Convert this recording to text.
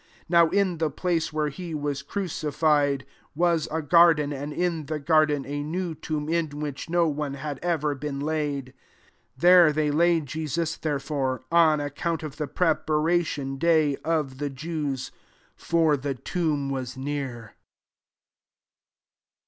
41 JsTow, in the place where he was crucified was a garden; and in the garden a new tomb, in which no one had ever been laid. 42 There they laid Jesus, therefore, on account of the preparation (/ay of thg Jews ; for the tomb was near.